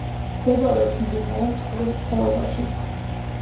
მდებარეობს მდინარე მტკვრის ხეობაში.